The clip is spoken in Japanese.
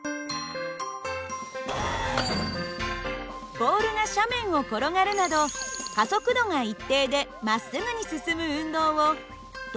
ボールが斜面を転がるなど加速度が一定でまっすぐに進む運動を等